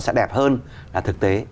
sẽ đẹp hơn là thực tế